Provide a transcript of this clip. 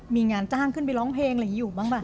มีงานจ้างขึ้นไปร้องเพลงอะไรอยู่บ้างป่ะ